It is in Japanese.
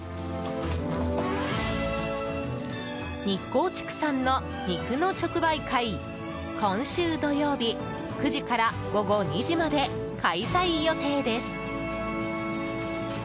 日光畜産の肉の直売会今週土曜日９時から午後２時まで開催予定です。